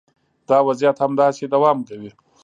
دا وضعیت همداسې دوام کوي.